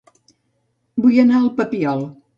Vull anar a El Papiol